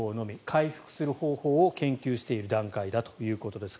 回復する方法を研究している段階だということです。